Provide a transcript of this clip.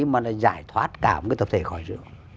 mà giải thoát cả một tập thể khỏi rượu